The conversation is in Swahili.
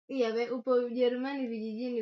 ifanyakazi kwa kushikiana baadhi ya wabunge wa ccm